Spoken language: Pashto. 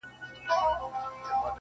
• گرا ني خبري سوې پرې نه پوهېږم.